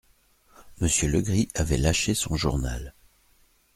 Monsieur Legris avait lâché son journal.